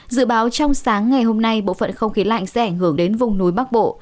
dự báo trong sáng ngày hôm nay bộ phận không khí lạnh sẽ ảnh hưởng đến vùng núi bắc bộ